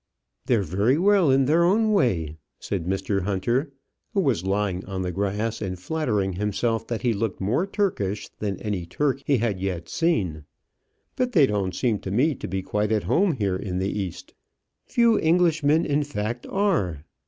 "They're very well in their own way," said Mr. Hunter, who was lying on the grass, and flattering himself that he looked more Turkish than any Turk he had yet seen. "But they don't seem to me to be quite at home here in the East. Few Englishman in fact are.